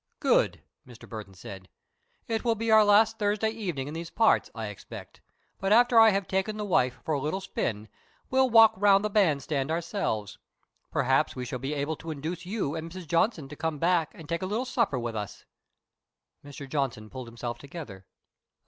"Good!" Mr. Burton said. "It will be our last Thursday evening in these parts, I expect, but after I have taken the wife for a little spin we'll walk round the band stand ourselves. Perhaps we shall be able to induce you and Mrs. Johnson to come back and take a little supper with us?" Mr. Johnson pulled himself together.